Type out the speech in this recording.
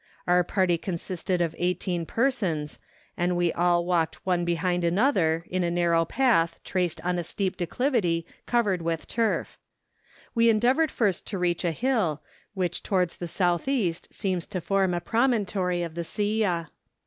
Our party consisted of eighteen persons, and we all walked one behind 282 MOUNTAIN ADVENTURES. another, in a narrow path, traced on a steep declivity covered with turf. We endeavoured first to reach a hill, which towards the south east seems to form a promontory of the Silla.